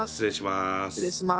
失礼します。